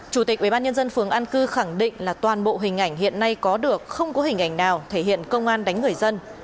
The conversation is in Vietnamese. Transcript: chủ tịch ubnd phường an cư khẳng định là toàn bộ hình ảnh hiện nay có được không có hình ảnh nào thể hiện công an đánh người dân